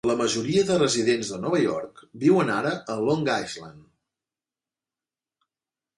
La majoria de residents de Nova York viuen ara a Long Island.